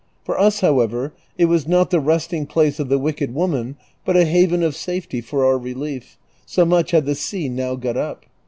For us, however, it was not the resting place of the wicked woman but a haven of safety for our relief, so much had the sea now got up.